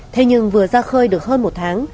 thế nhưng vừa ra khơi được hơn một tháng